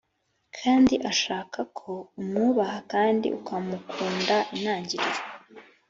kandi ashaka ko umwubaha kandi ukamukunda intangiriro